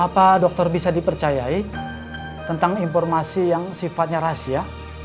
apa dokter bisa dipercayai tentang informasi yang sifatnya rahasia